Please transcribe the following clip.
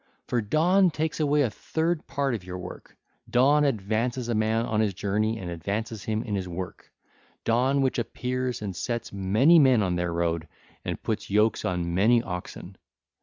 For dawn takes away a third part of your work, dawn advances a man on his journey and advances him in his work,—dawn which appears and sets many men on their road, and puts yokes on many oxen.